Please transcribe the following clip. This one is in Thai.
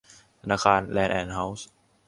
ธนาคารแลนด์แอนด์ เฮ้าส์